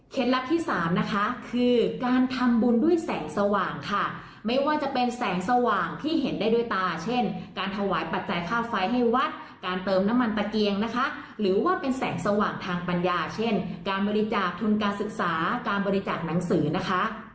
ลับที่สามนะคะคือการทำบุญด้วยแสงสว่างค่ะไม่ว่าจะเป็นแสงสว่างที่เห็นได้ด้วยตาเช่นการถวายปัจจัยค่าไฟให้วัดการเติมน้ำมันตะเกียงนะคะหรือว่าเป็นแสงสว่างทางปัญญาเช่นการบริจาคทุนการศึกษาการบริจาคหนังสือนะคะ